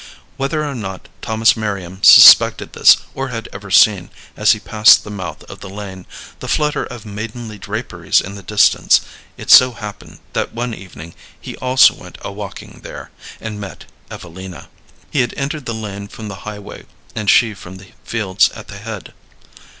Whether or not Thomas Merriam suspected this, or had ever seen, as he passed the mouth of the lane, the flutter of maidenly draperies in the distance, it so happened that one evening he also went a walking there, and met Evelina. He had entered the lane from the highway, and she from the fields at the head.